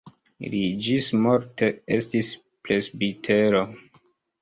Li ĝismorte estis presbitero.